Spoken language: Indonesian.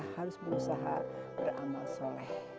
harus berusaha beramal soleh